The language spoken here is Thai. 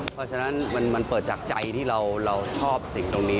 เพราะฉะนั้นมันเปิดจากใจที่เราชอบสิ่งตรงนี้